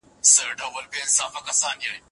د پوهې کچه په مطالعې سره لوړیږي.